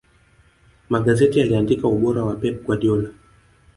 magazeti yaliandika ubora wa pep guardiola